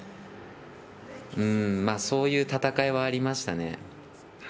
そういう戦いはありましたね。